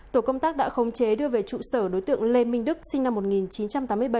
tổ công tác đã khống chế đưa về trụ sở đối tượng lê minh đức sinh năm một nghìn chín trăm tám mươi bảy